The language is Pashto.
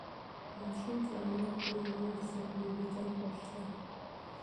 ماشوم د انارګل نوې څپلۍ لیدل غوښتل.